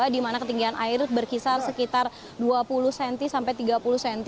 di mana ketinggian air berkisar sekitar dua puluh cm sampai tiga puluh cm